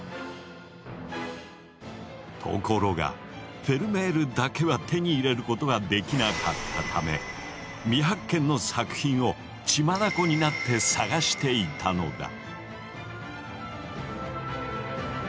ところがフェルメールだけは手に入れることができなかったため未発見の作品を血眼になって捜していたのだ。